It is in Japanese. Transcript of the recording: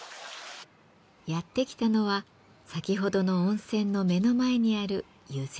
やって来たのは先ほどの温泉の目の前にある湯前神社。